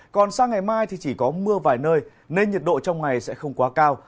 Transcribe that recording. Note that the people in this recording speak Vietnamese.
còn sang ngày mai thì chỉ có mưa vài nơi nên nhiệt độ trong ngày sẽ không quá cao